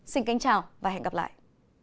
xin kính chào và hẹn gặp lại